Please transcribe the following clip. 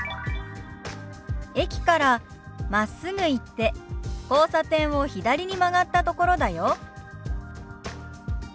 「駅からまっすぐ行って交差点を左に曲がったところだよ」。